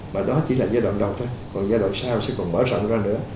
mà đó chỉ là giai đoạn đầu thôi còn giai đoạn sau sẽ còn mở rộng ra nữa